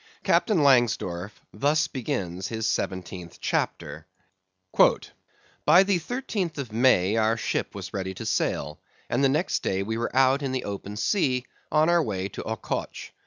Captain Langsdorff thus begins his seventeenth chapter: "By the thirteenth of May our ship was ready to sail, and the next day we were out in the open sea, on our way to Ochotsh.